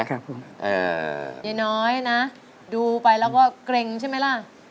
ครับคุณอ่าน้อยนะดูไปแล้วก็เกร็งใช่ไหมล่ะ